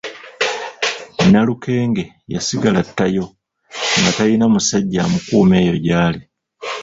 Nalukenge yasigala ttayo nga tayina musajja amukuuma eyo gyali.